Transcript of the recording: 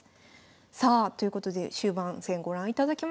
さあということで終盤戦ご覧いただきました。